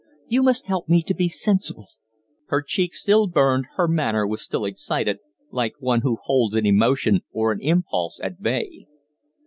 You must help me to be sensible." Her cheeks still burned, her manner was still excited, like one who holds an emotion or an impulse at bay.